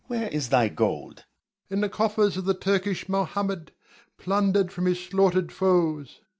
Where is thy gold? Ion. In the coffers of the Turkish Mohammed, plundered from his slaughtered foes.